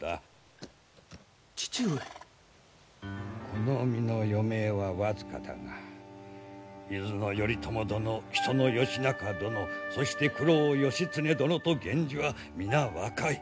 この身の余命は僅かだが伊豆の頼朝殿木曽の義仲殿そして九郎義経殿と源氏は皆若い。